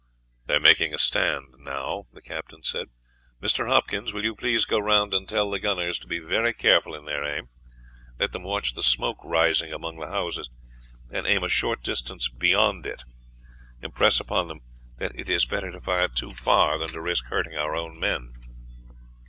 "They are making a stand now," the captain said. "Mr. Hopkins, will you please go round and tell the gunners to be very careful in their aim? Let them watch the smoke rising among the houses, and aim a short distance beyond it. Impress upon them that it is better to fire too far than to risk hurting our own men."